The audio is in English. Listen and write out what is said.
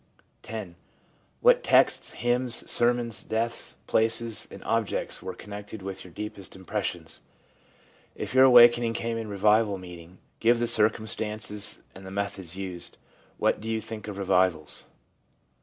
* X. What texts, hymns, sermons, deaths, places and objects were connected with your deepest impressions ? If your awakening came in revival meeting, give the circumstances, and the methods used. What do you think of revivals